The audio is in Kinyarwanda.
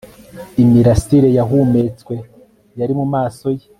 Imirasire yahumetswe yari mumaso ye